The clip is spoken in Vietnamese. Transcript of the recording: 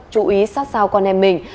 chú ý sát sao con em mình